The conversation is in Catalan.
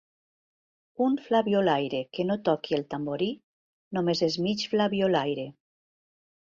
Un flabiolaire que no toqui el tamborí només és mig flabiolaire.